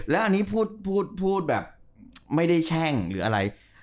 แล้วอันนี้พูดแบบไม่ได้แช่งหรืออะไร